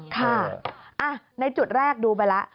ค่ะในจุดแรกดูไปแล้ว